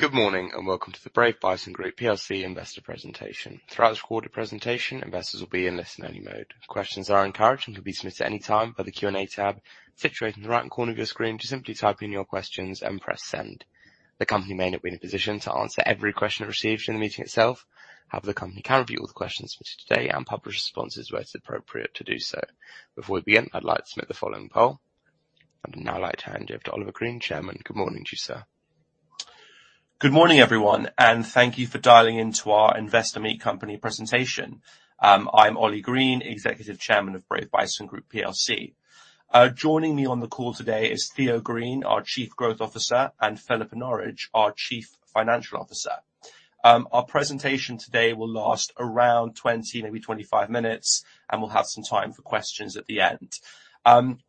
Good morning, and welcome to the Brave Bison Group PLC investor presentation. Throughout this recorded presentation, investors will be in listen-only mode. Questions are encouraged and can be submitted at any time by the Q&A tab situated in the right-hand corner of your screen. Just simply type in your questions and press Send. The company may not be in a position to answer every question it receives during the meeting itself. However, the company can review all the questions for today and publish responses where it's appropriate to do so. Before we begin, I'd like to submit the following poll. I'd now like to hand you over to Oliver Green, Chairman. Good morning to you, sir. Good morning, everyone, and thank you for dialing in to our Investor Meet Company presentation. I'm Ollie Green, Executive Chairman of Brave Bison Group PLC. Joining me on the call today is Theo Green, our Chief Growth Officer, and Philippa Norridge, our Chief Financial Officer. Our presentation today will last around 20, maybe 25 minutes, and we'll have some time for questions at the end.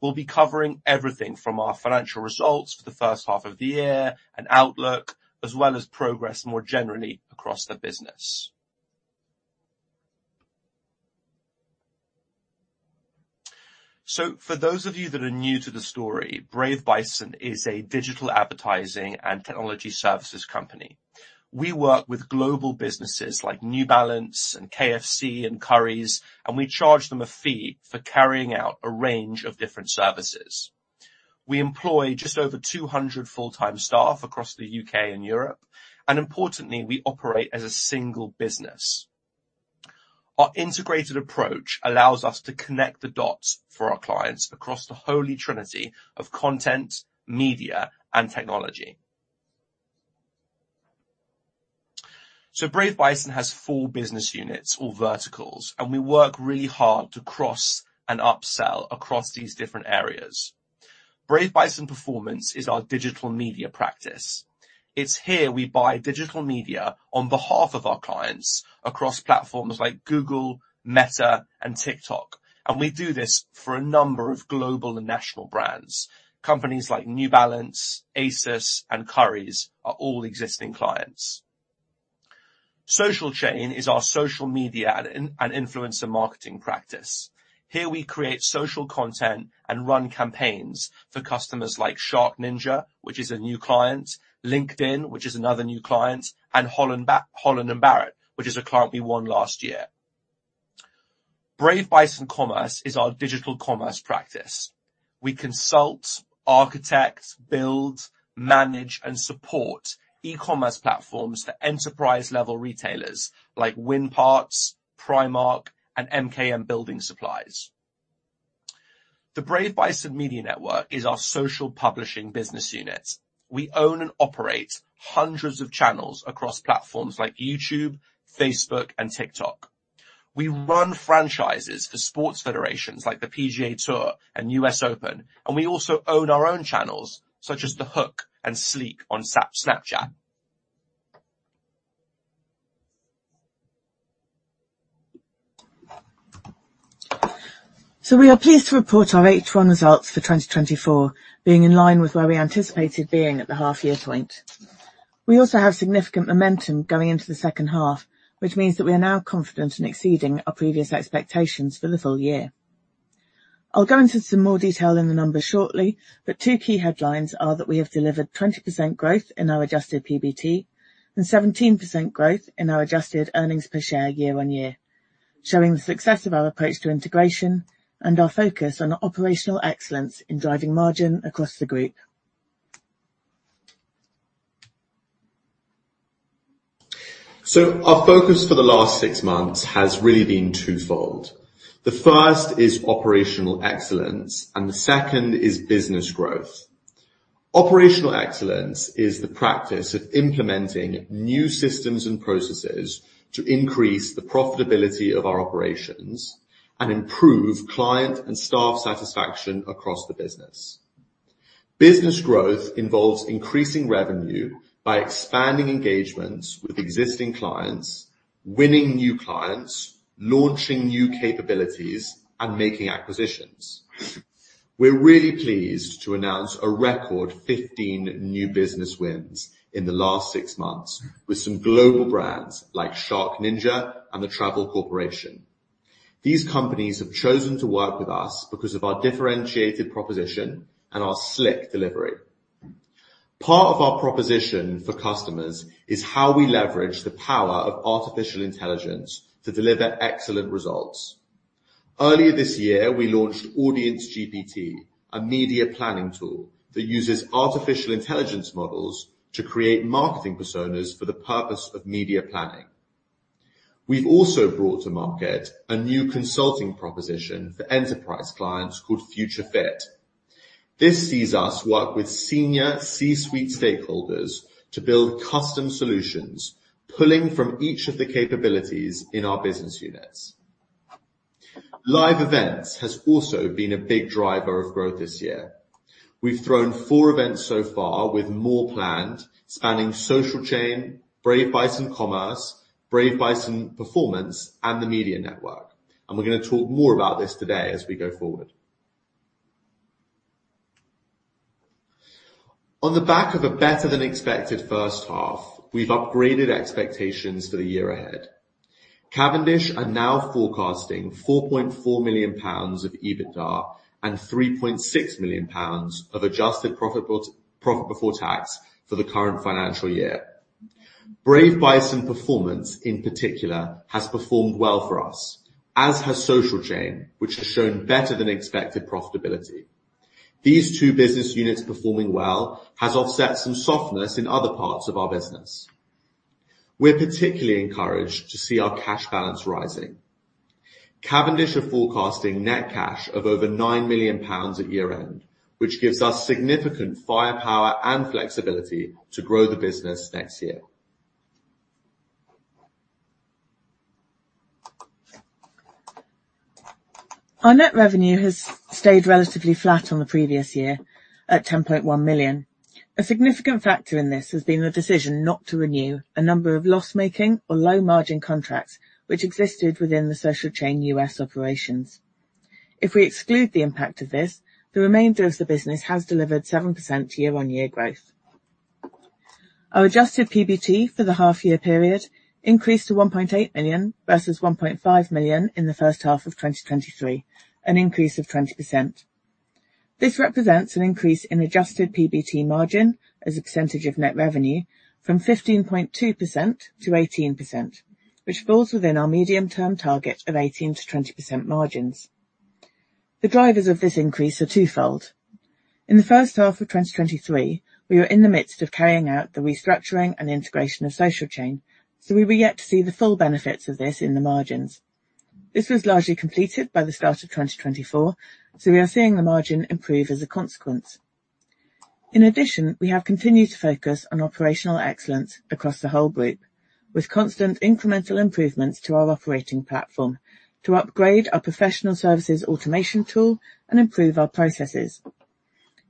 We'll be covering everything from our financial results for the first half of the year and outlook, as well as progress more generally across the business, so for those of you that are new to the story, Brave Bison is a digital advertising and technology services company. We work with global businesses like New Balance and KFC and Currys, and we charge them a fee for carrying out a range of different services. We employ just over two hundred full-time staff across the U.K. and Europe, and importantly, we operate as a single business. Our integrated approach allows us to connect the dots for our clients across the holy trinity of content, media, and technology. So Brave Bison has four business units or verticals, and we work really hard to cross and upsell across these different areas. Brave Bison Performance is our digital media practice. It's here we buy digital media on behalf of our clients across platforms like Google, Meta, and TikTok, and we do this for a number of global and national brands. Companies like New Balance, ASOS, and Currys are all existing clients. Social Chain is our social media and influencer marketing practice. Here, we create social content and run campaigns for customers like SharkNinja, which is a new client, LinkedIn, which is another new client, and Holland & Barrett, which is a client we won last year. Brave Bison Commerce is our digital commerce practice. We consult, architect, build, manage, and support e-commerce platforms for enterprise-level retailers like Winparts, Primark, and MKM Building Supplies. The Brave Bison Media Network is our social publishing business unit. We own and operate hundreds of channels across platforms like YouTube, Facebook, and TikTok. We run franchises for sports federations like the PGA Tour and US Open, and we also own our own channels, such as The Hook and Slick on Snapchat. We are pleased to report our H1 results for twenty twenty-four being in line with where we anticipated being at the half-year point. We also have significant momentum going into the second half, which means that we are now confident in exceeding our previous expectations for the full year. I'll go into some more detail in the numbers shortly, but two key headlines are that we have delivered 20% growth in our adjusted PBT and 17% growth in our adjusted earnings per share year on year, showing the success of our approach to integration and our focus on operational excellence in driving margin across the group. So our focus for the last six months has really been twofold. The first is operational excellence, and the second is business growth. Operational excellence is the practice of implementing new systems and processes to increase the profitability of our operations and improve client and staff satisfaction across the business. Business growth involves increasing revenue by expanding engagements with existing clients, winning new clients, launching new capabilities, and making acquisitions. We're really pleased to announce a record 15 new business wins in the last six months with some global brands like SharkNinja and The Travel Corporation. These companies have chosen to work with us because of our differentiated proposition and our slick delivery. Part of our proposition for customers is how we leverage the power of artificial intelligence to deliver excellent results. Earlier this year, we launched AudienceGPT, a media planning tool that uses artificial intelligence models to create marketing personas for the purpose of media planning. We've also brought to market a new consulting proposition for enterprise clients called Future Fit. This sees us work with senior C-suite stakeholders to build custom solutions, pulling from each of the capabilities in our business units. Live events has also been a big driver of growth this year. We've thrown four events so far, with more planned, spanning Social Chain, Brave Bison Commerce, Brave Bison Performance, and the Media Network, and we're gonna talk more about this today as we go forward. On the back of a better-than-expected first half, we've upgraded expectations for the year ahead. Cavendish are now forecasting 4.4 million pounds of EBITDA and 3.6 million pounds of adjusted profit before tax for the current financial year. Brave Bison Performance, in particular, has performed well for us, as has Social Chain, which has shown better-than-expected profitability. These two business units performing well has offset some softness in other parts of our business. We're particularly encouraged to see our cash balance rising. Cavendish are forecasting net cash of over 9 million pounds at year-end, which gives us significant firepower and flexibility to grow the business next year. Our net revenue has stayed relatively flat on the previous year at 10.1 million. A significant factor in this has been the decision not to renew a number of loss-making or low-margin contracts, which existed within the Social Chain US operations. If we exclude the impact of this, the remainder of the business has delivered 7% year-on-year growth. Our adjusted PBT for the half year period increased to 1.8 million versus 1.5 million in the first half of 2023, an increase of 20%. This represents an increase in adjusted PBT margin as a percentage of net revenue from 15.2% to 18%, which falls within our medium-term target of 18%-20% margins. The drivers of this increase are twofold. In the first half of 2023, we were in the midst of carrying out the restructuring and integration of Social Chain, so we were yet to see the full benefits of this in the margins. This was largely completed by the start of 2024, so we are seeing the margin improve as a consequence. In addition, we have continued to focus on operational excellence across the whole group, with constant incremental improvements to our operating platform to upgrade our professional services automation tool and improve our processes.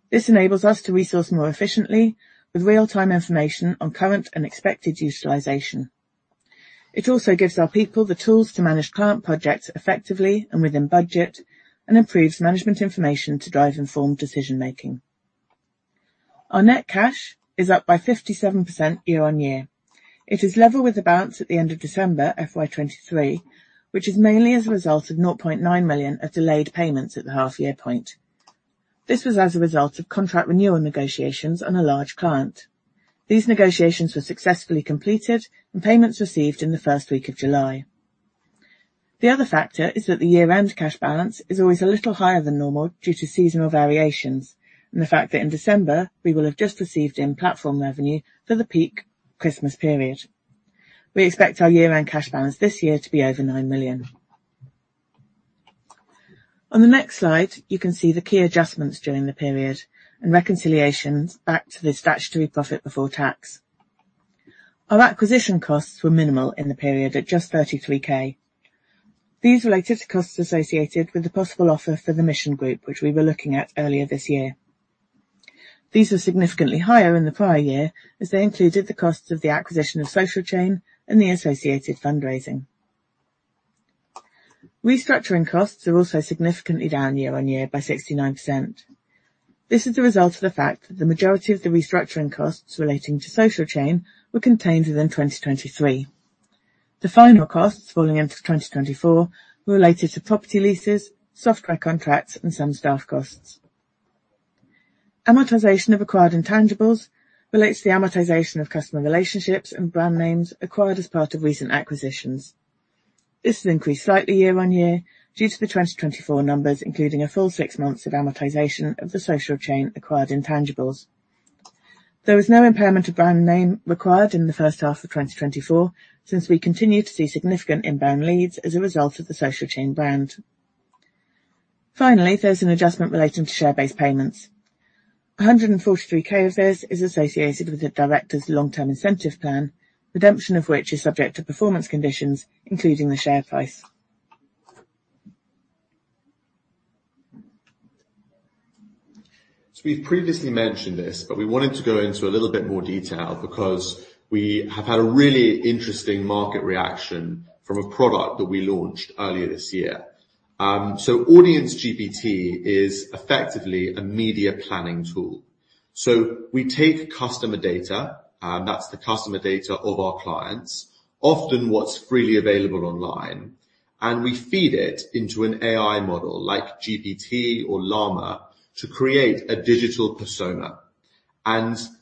This enables us to resource more efficiently with real-time information on current and expected utilization. It also gives our people the tools to manage client projects effectively and within budget, and improves management information to drive informed decision-making. Our net cash is up by 57% year on year. It is level with the balance at the end of December, FY 2023, which is mainly as a result of 0.9 million of delayed payments at the half year point. This was as a result of contract renewal negotiations on a large client. These negotiations were successfully completed and payments received in the first week of July. The other factor is that the year-end cash balance is always a little higher than normal due to seasonal variations and the fact that in December we will have just received in-platform revenue for the peak Christmas period. We expect our year-end cash balance this year to be over 9 million. On the next slide, you can see the key adjustments during the period and reconciliations back to the statutory profit before tax. Our acquisition costs were minimal in the period at just 33K. These related to costs associated with the possible offer for the Mission Group, which we were looking at earlier this year. These were significantly higher in the prior year as they included the costs of the acquisition of Social Chain and the associated fundraising. Restructuring costs are also significantly down year on year by 69%. This is a result of the fact that the majority of the restructuring costs relating to Social Chain were contained within 2023. The final costs falling into 2024 were related to property leases, software contracts, and some staff costs. Amortization of acquired intangibles relates to the amortization of customer relationships and brand names acquired as part of recent acquisitions. This has increased slightly year on year due to the 2024 numbers, including a full six months of amortization of the Social Chain acquired intangibles. There was no impairment of brand name required in the first half of twenty twenty-four, since we continue to see significant inbound leads as a result of the Social Chain brand. Finally, there's an adjustment relating to share-based payments. 143K of this is associated with the directors' long-term incentive plan, redemption of which is subject to performance conditions, including the share price. We've previously mentioned this, but we wanted to go into a little bit more detail because we have had a really interesting market reaction from a product that we launched earlier this year. AudienceGPT is effectively a media planning tool. We take customer data, and that's the customer data of our clients, often what's freely available online, and we feed it into an AI model like GPT or Llama to create a digital persona.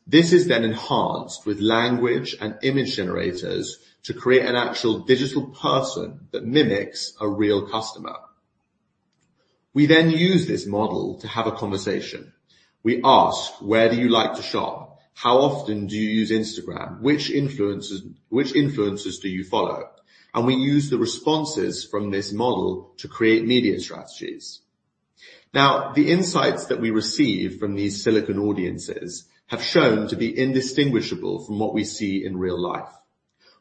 This is then enhanced with language and image generators to create an actual digital person that mimics a real customer. We then use this model to have a conversation. We ask: Where do you like to shop? How often do you use Instagram? Which influencers do you follow? We use the responses from this model to create media strategies. Now, the insights that we receive from these Silicon Audiences have shown to be indistinguishable from what we see in real life.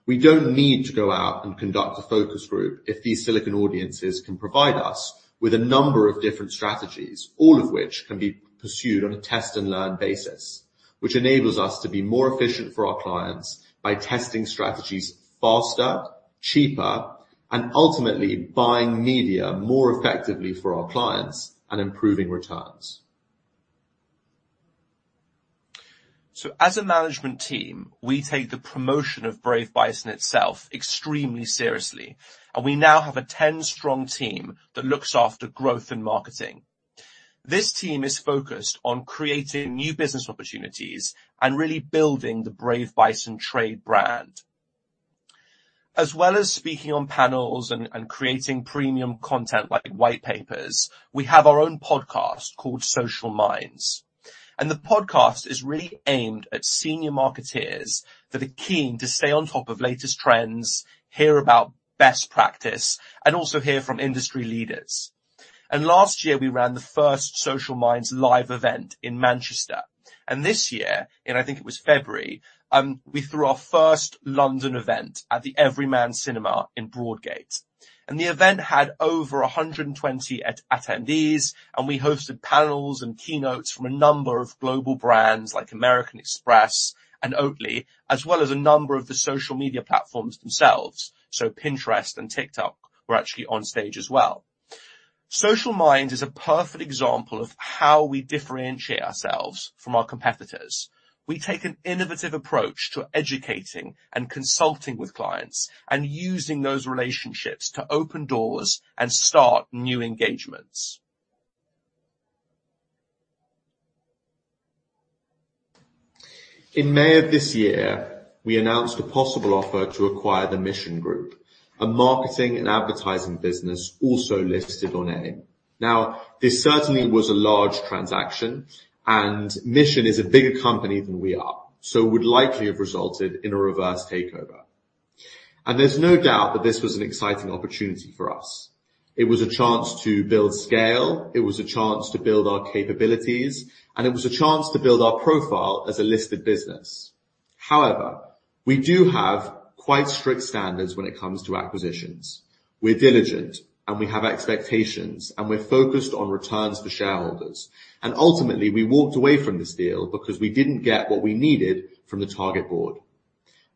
We don't need to go out and conduct a focus group if these Silicon Audiences can provide us with a number of different strategies, all of which can be pursued on a test-and-learn basis, which enables us to be more efficient for our clients by testing strategies faster, cheaper, and ultimately buying media more effectively for our clients and improving returns.... So as a management team, we take the promotion of Brave Bison itself extremely seriously, and we now have a 10-strong team that looks after growth and marketing. This team is focused on creating new business opportunities and really building the Brave Bison trade brand. As well as speaking on panels and creating premium content, like white papers, we have our own podcast called Social Minds, and the podcast is really aimed at senior marketeers that are keen to stay on top of latest trends, hear about best practice, and also hear from industry leaders. And last year, we ran the first Social Minds live event in Manchester. And this year, in I think it was February, we threw our first London event at the Everyman Cinema in Broadgate. The event had over 120 attendees, and we hosted panels and keynotes from a number of global brands like American Express and Oatly, as well as a number of the social media platforms themselves. Pinterest and TikTok were actually on stage as well. Social Minds is a perfect example of how we differentiate ourselves from our competitors. We take an innovative approach to educating and consulting with clients and using those relationships to open doors and start new engagements. In May of this year, we announced a possible offer to acquire the Mission Group, a marketing and advertising business also listed on AIM. Now, this certainly was a large transaction, and Mission is a bigger company than we are, so it would likely have resulted in a reverse takeover, and there's no doubt that this was an exciting opportunity for us. It was a chance to build scale, it was a chance to build our capabilities, and it was a chance to build our profile as a listed business. However, we do have quite strict standards when it comes to acquisitions. We're diligent, and we have expectations, and we're focused on returns for shareholders, and ultimately, we walked away from this deal because we didn't get what we needed from the target board.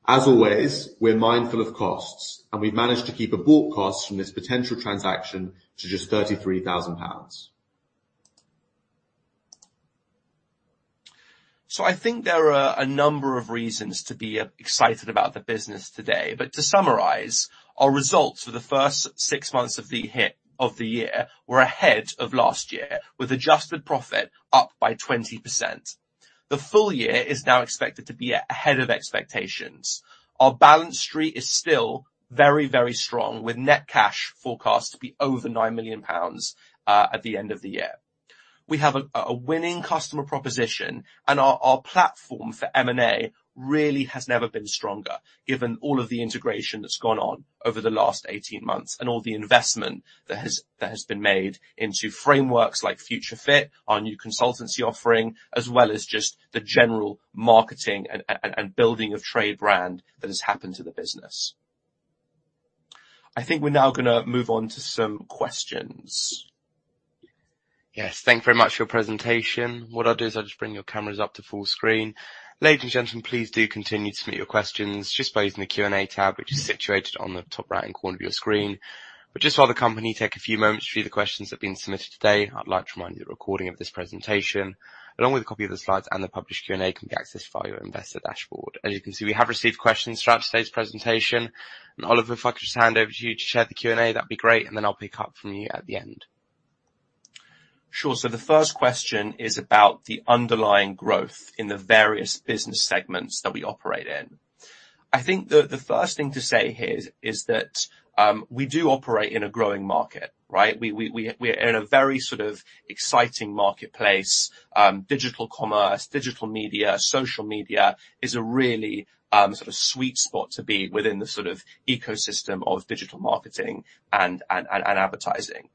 As always, we're mindful of costs, and we've managed to keep abort costs from this potential transaction to just 33,000 pounds. I think there are a number of reasons to be excited about the business today. But to summarize, our results for the first six months of the year were ahead of last year, with adjusted profit up by 20%. The full year is now expected to be ahead of expectations. Our balance sheet is still very, very strong, with net cash forecast to be over 9 million pounds at the end of the year. We have a winning customer proposition, and our platform for M&A really has never been stronger, given all of the integration that's gone on over the last eighteen months, and all the investment that has been made into frameworks like Future Fit, our new consultancy offering, as well as just the general marketing and building of trade brand that has happened to the business. I think we're now gonna move on to some questions. Yes. Thank you very much for your presentation. What I'll do is I'll just bring your cameras up to full screen. Ladies and gentlemen, please do continue to submit your questions just by using the Q&A tab, which is situated on the top right-hand corner of your screen. But just while the company take a few moments to view the questions that have been submitted today, I'd like to remind you the recording of this presentation, along with a copy of the slides and the published Q&A, can be accessed via your investor dashboard. As you can see, we have received questions throughout today's presentation, and Oliver, if I could just hand over to you to share the Q&A, that'd be great, and then I'll pick up from you at the end. Sure. So the first question is about the underlying growth in the various business segments that we operate in. I think the first thing to say here is that we do operate in a growing market, right? We're in a very sort of exciting marketplace. Digital commerce, digital media, social media is a really sort of sweet spot to be within the sort of ecosystem of digital marketing and advertising.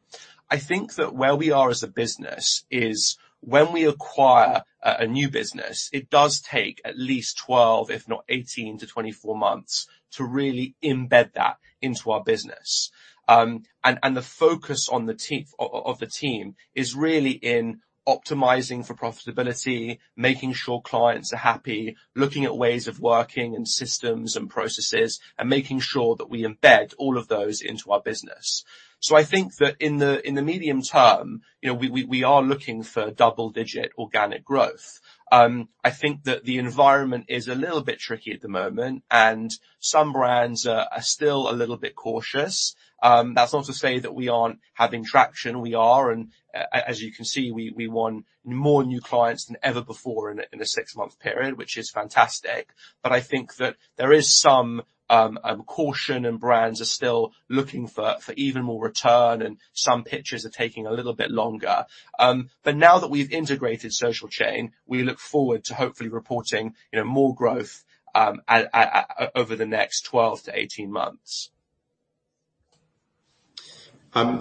I think that where we are as a business is when we acquire a new business, it does take at least twelve, if not eighteen to twenty-four months to really embed that into our business. And the focus on the team... of the team is really in optimizing for profitability, making sure clients are happy, looking at ways of working and systems and processes, and making sure that we embed all of those into our business. So I think that in the medium term, you know, we are looking for double-digit organic growth. I think that the environment is a little bit tricky at the moment, and some brands are still a little bit cautious. That's not to say that we aren't having traction. We are, and as you can see, we won more new clients than ever before in a six-month period, which is fantastic. But I think that there is some caution, and brands are still looking for even more return, and some pitches are taking a little bit longer. But now that we've integrated Social Chain, we look forward to hopefully reporting, you know, more growth at over the next twelve to eighteen months.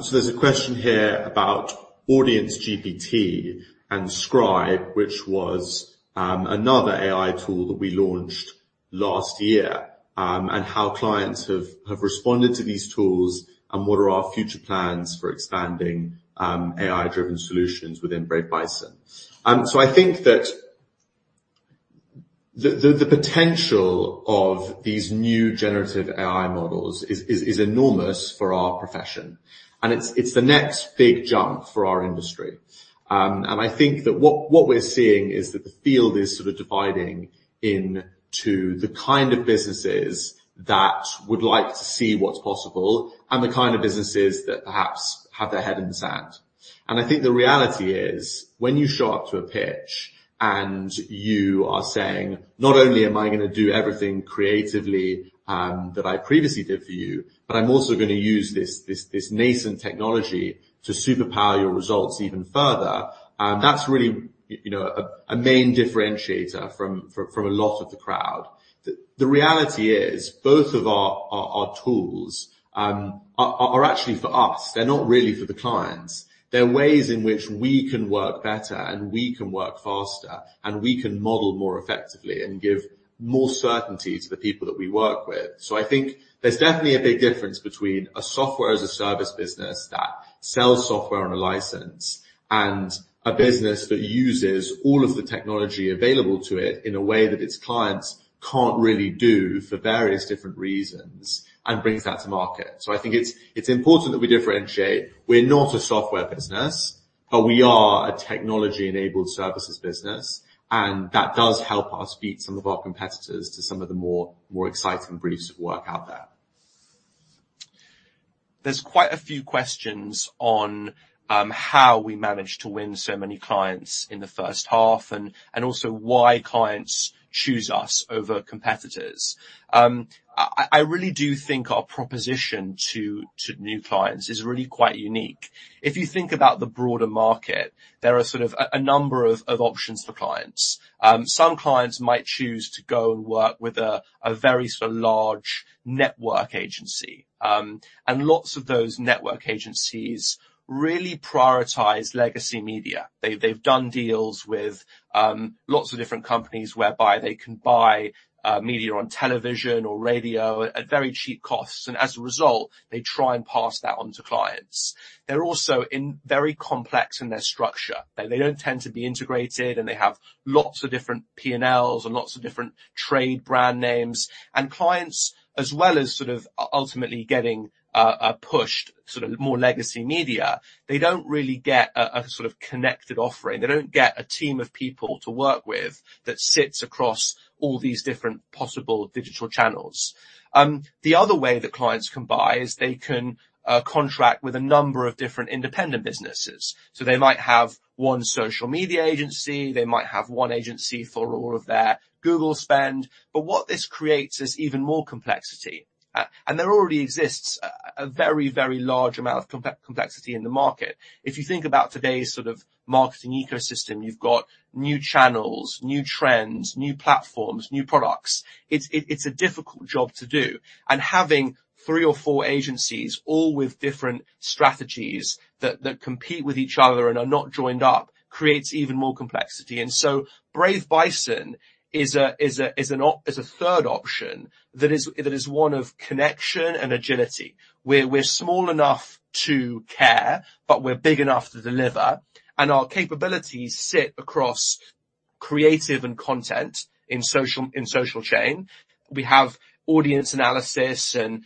So there's a question here about AudienceGPT and Scribe, which was another AI tool that we launched last year, and how clients have responded to these tools, and what are our future plans for expanding AI-driven solutions within Brave Bison. So I think that the potential of these new generative AI models is enormous for our profession, and it's the next big jump for our industry. And I think that what we're seeing is that the field is sort of dividing into the kind of businesses that would like to see what's possible, and the kind of businesses that perhaps have their head in the sand. I think the reality is, when you show up to a pitch, and you are saying, "Not only am I gonna do everything creatively, that I previously did for you, but I'm also gonna use this nascent technology to superpower your results even further," that's really, you know, a main differentiator from a lot of the crowd. The reality is, both of our tools are actually for us. They're not really for the clients. They're ways in which we can work better, and we can work faster, and we can model more effectively, and give more certainty to the people that we work with. I think there's definitely a big difference between a Software as a service business that sells software on a license, and a business that uses all of the technology available to it in a way that its clients can't really do for various different reasons, and brings that to market. I think it's important that we differentiate. We're not a software business, but we are a technology-enabled services business, and that does help us beat some of our competitors to some of the more, more exciting and progressive work out there. There's quite a few questions on how we managed to win so many clients in the first half, and also why clients choose us over competitors. I really do think our proposition to new clients is really quite unique. If you think about the broader market, there are sort of a number of options for clients. Some clients might choose to go and work with a very sort of large network agency, and lots of those network agencies really prioritize legacy media. They've done deals with lots of different companies, whereby they can buy media on television or radio at very cheap costs, and as a result, they try and pass that on to clients. They're also very complex in their structure. They don't tend to be integrated, and they have lots of different P&Ls and lots of different trade brand names, and clients, as well as sort of ultimately getting pushed sort of more legacy media, don't really get a sort of connected offering. They don't get a team of people to work with that sits across all these different possible digital channels. The other way that clients can buy is they can contract with a number of different independent businesses, so they might have one social media agency, they might have one agency for all of their Google spend, but what this creates is even more complexity, and there already exists a very, very large amount of complexity in the market. If you think about today's sort of marketing ecosystem, you've got new channels, new trends, new platforms, new products. It's a difficult job to do, and having three or four agencies, all with different strategies that compete with each other and are not joined up, creates even more complexity. And so Brave Bison is a third option that is one of connection and agility, where we're small enough to care, but we're big enough to deliver, and our capabilities sit across creative and content in social, in Social Chain. We have audience analysis and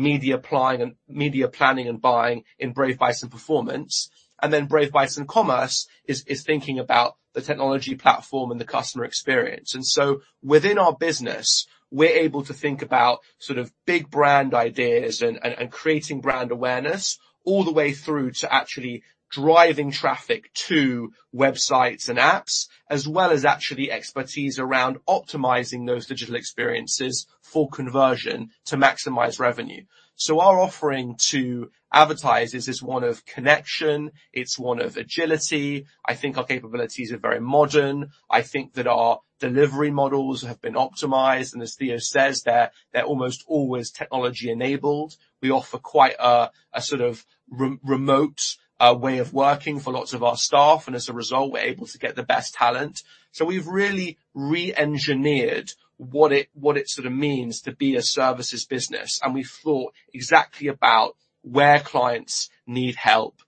media planning and buying in Brave Bison Performance, and then Brave Bison Commerce is thinking about the technology platform and the customer experience. And so within our business, we're able to think about sort of big brand ideas and creating brand awareness, all the way through to actually driving traffic to websites and apps, as well as actually expertise around optimizing those digital experiences for conversion to maximize revenue. So our offering to advertisers is one of connection; it's one of agility. I think our capabilities are very modern. I think that our delivery models have been optimized, and as Theo says, they're almost always technology-enabled. We offer quite a sort of remote way of working for lots of our staff, and as a result, we're able to get the best talent. So we've really reengineered what it sort of means to be a services business, and we've thought exactly about where clients need help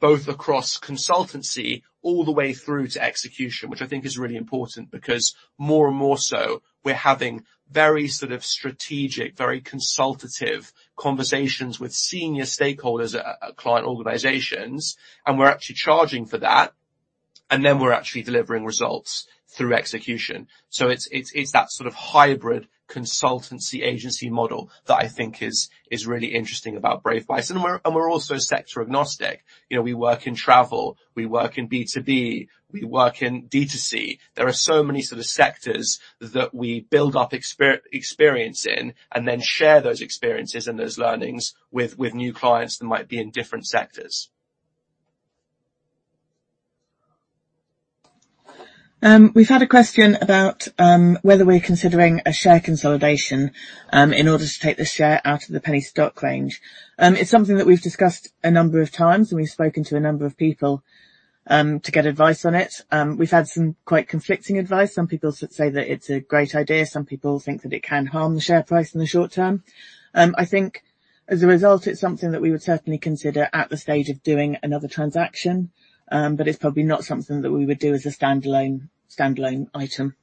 both across consultancy all the way through to execution, which I think is really important, because more and more so, we're having very sort of strategic, very consultative conversations with senior stakeholders at client organizations, and we're actually charging for that, and then we're actually delivering results through execution, so it's that sort of hybrid consultancy agency model that I think is really interesting about Brave Bison, and we're also sector-agnostic. You know, we work in travel, we work in B2B, we work in D2C. There are so many sort of sectors that we build up experience in and then share those experiences and those learnings with new clients that might be in different sectors. We've had a question about whether we're considering a share consolidation in order to take the share out of the penny stock range. It's something that we've discussed a number of times, and we've spoken to a number of people to get advice on it. We've had some quite conflicting advice. Some people say that it's a great idea, some people think that it can harm the share price in the short term. I think as a result, it's something that we would certainly consider at the stage of doing another transaction, but it's probably not something that we would do as a standalone item....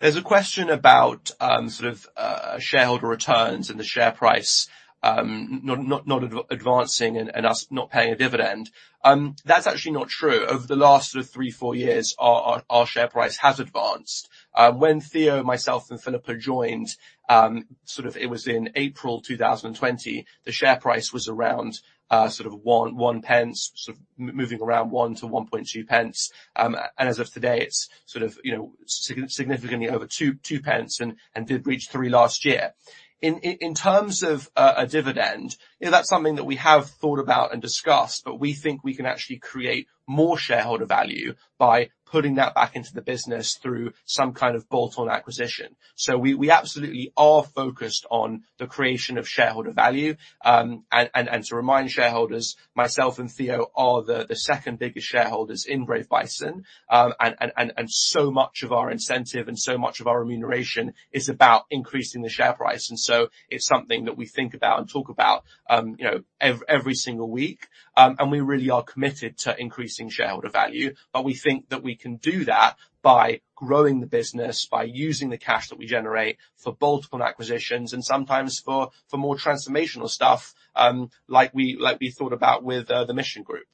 There's a question about, sort of, shareholder returns and the share price, not advancing and us not paying a dividend. That's actually not true. Over the last sort of three, four years, our share price has advanced. When Theo, myself, and Philippa joined, sort of it was in April two thousand and twenty, the share price was around, sort of one pence, sort of moving around one to 1.2 pence. And as of today, it's sort of, you know, significantly over two pence and did reach three last year. In terms of a dividend, you know, that's something that we have thought about and discussed, but we think we can actually create more shareholder value by putting that back into the business through some kind of bolt-on acquisition. So we absolutely are focused on the creation of shareholder value. And to remind shareholders, myself and Theo are the second biggest shareholders in Brave Bison. So much of our incentive and so much of our remuneration is about increasing the share price, and so it's something that we think about and talk about, you know, every single week. And we really are committed to increasing shareholder value, but we think that we can do that by growing the business, by using the cash that we generate for bolt-on acquisitions and sometimes for more transformational stuff, like we thought about with the Mission Group.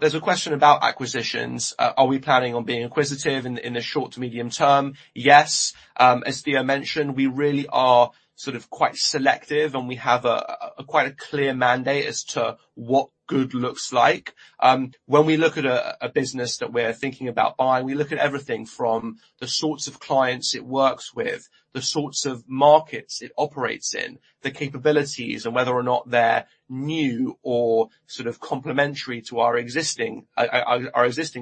There's a question about acquisitions. Are we planning on being acquisitive in the short to medium term? Yes. As Theo mentioned, we really are sort of quite selective, and we have a quite a clear mandate as to what good looks like. When we look at a business that we're thinking about buying, we look at everything from the sorts of clients it works with, the sorts of markets it operates in, the capabilities, and whether or not they're new or sort of complementary to our existing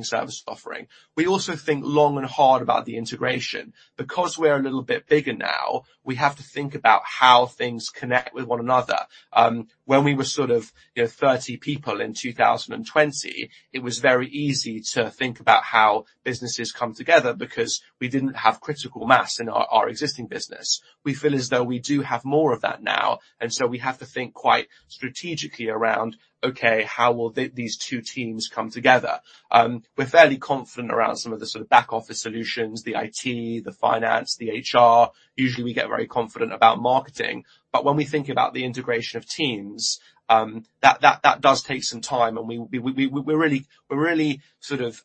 service offering. We also think long and hard about the integration. Because we're a little bit bigger now, we have to think about how things connect with one another. When we were sort of, you know, thirty people in two thousand and twenty, it was very easy to think about how businesses come together because we didn't have critical mass in our existing business. We feel as though we do have more of that now, and so we have to think quite strategically around, "Okay, how will these two teams come together?" We're fairly confident around some of the sort of back office solutions, the IT, the finance, the HR. Usually, we get very confident about marketing, but when we think about the integration of teams, that does take some time, and we're really sort of.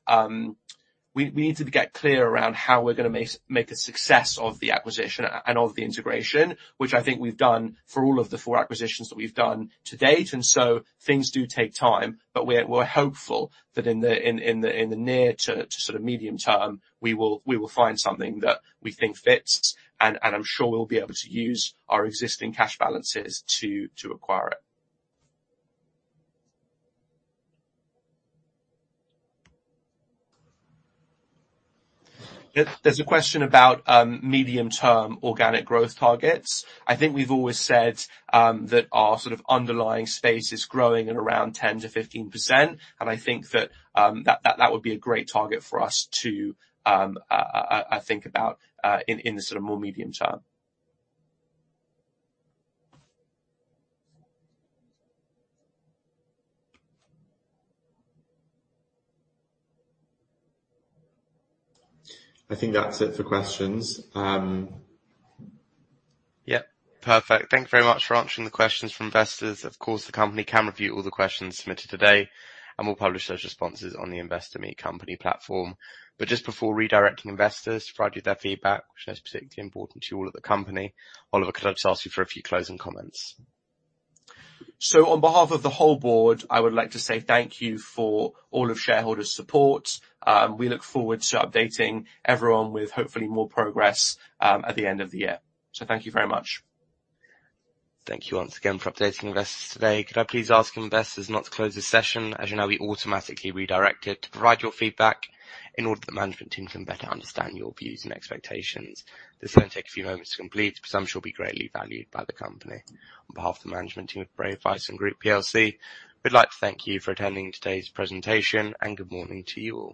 We need to get clear around how we're gonna make a success of the acquisition and of the integration, which I think we've done for all of the four acquisitions that we've done to date, and so things do take time. But we're hopeful that in the near to sort of medium term, we will find something that we think fits, and I'm sure we'll be able to use our existing cash balances to acquire it. There's a question about medium-term organic growth targets. I think we've always said that our sort of underlying space is growing at around 10-15%, and I think that that would be a great target for us to think about in the sort of more medium term. I think that's it for questions. Yep. Perfect. Thank you very much for answering the questions from investors. Of course, the company can review all the questions submitted today, and we'll publish those responses on the Investor Meet Company platform. But just before redirecting investors to provide you their feedback, which is particularly important to you all at the company, Oliver, could I just ask you for a few closing comments? So on behalf of the whole board, I would like to say thank you for all of shareholders' support. We look forward to updating everyone with hopefully more progress, at the end of the year. So thank you very much. Thank you once again for updating investors today. Could I please ask investors not to close this session? As you know, we automatically redirect it to provide your feedback in order that the management team can better understand your views and expectations. This will only take a few moments to complete, but I'm sure will be greatly valued by the company. On behalf of the management team of Brave Bison Group PLC, we'd like to thank you for attending today's presentation, and good morning to you all.